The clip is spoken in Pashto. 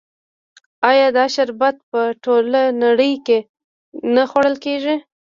آیا دا شربت په ټوله نړۍ کې نه خوړل کیږي؟